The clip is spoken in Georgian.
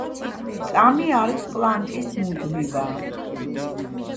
წმ არის პლანკის მუდმივა.